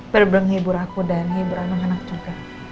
berbeng hibur aku dan hibur anak anak juga